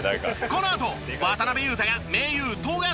このあと渡邊雄太が盟友富樫勇樹と語る！